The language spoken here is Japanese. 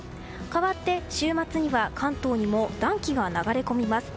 かわって週末には関東にも暖気が流れ込みます。